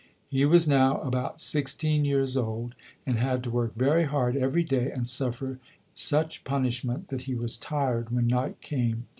He was now about sixteen years old, and had to work very hard every day and suffer such pun ishment that he was tired when night came.